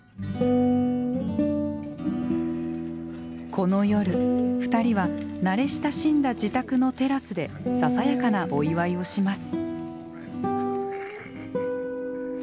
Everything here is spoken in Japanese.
この夜２人は慣れ親しんだ自宅のテラスでささやかなお祝いをします。